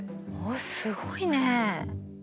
すごいね。